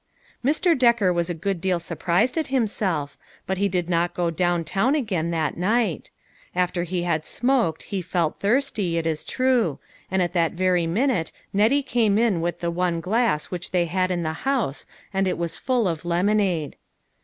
Mr. Decker was a good deal surprised at him self, but he did not go down town again that night. After he had smoked, he felt thirsty, it is true, and at that very minute Nettie came in with the one glass whi'ch they had in the house, and it was full of lemonade.